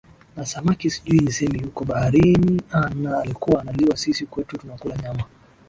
Ni samaki sijui niseme Yuko baharini na alikuwa analiwa Sisi kwetu tunakula nyama